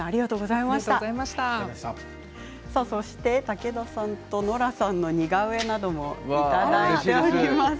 武田さんとノラさんの似顔絵なども届いています。